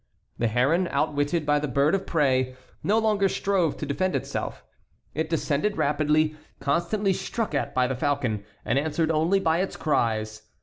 The heron, outwitted by the bird of prey, no longer strove to defend itself. It descended rapidly, constantly struck at by the falcon, and answered only by its cries.